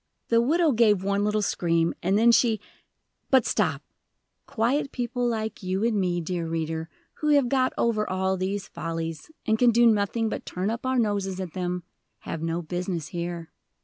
The widow gave one little scream, and then she But, stop! Quiet people like you and me, dear reader, who have got over all these follies, and can do nothing but turn up our noses at them, have no business here.